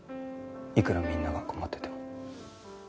いくらみんなが困ってても。